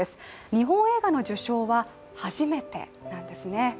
日本映画の受賞は初めてなんですね。